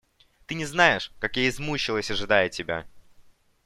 Ты не знаешь, как я измучалась, ожидая тебя!